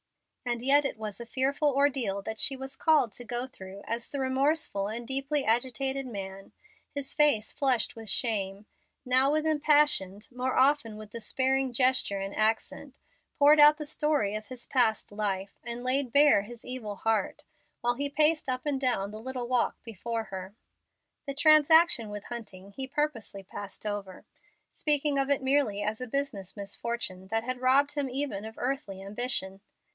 And yet it was a fearful ordeal that she was called to go through as the remorseful and deeply agitated man, his face flushed with shame, now with impassioned, more often with despairing gesture and accent, poured out the story of his past life, and laid bare his evil heart, while he paced up and down the little walk before her. The transaction with Hunting he purposely passed over, speaking of it merely as a business misfortune that had robbed him even of earthly ambition.